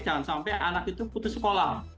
jangan sampai anak itu putus sekolah